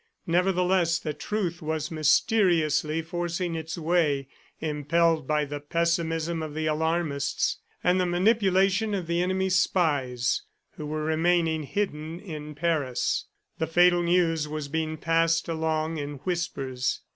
Nevertheless, the truth was mysteriously forcing its way, impelled by the pessimism of the alarmists, and the manipulation of the enemy's spies who were remaining hidden in Paris. The fatal news was being passed along in whispers.